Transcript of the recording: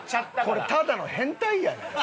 これただの変態やねん。